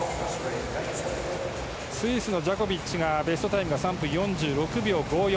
スイスのジャコビッチがベストタイム３分４６秒５４。